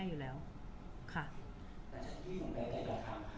คุณผู้ถามเป็นความขอบคุณค่ะ